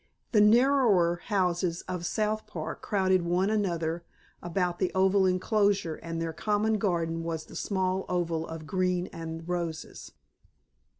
The narrower houses of South Park crowded one another about the oval enclosure and their common garden was the smaller oval of green and roses.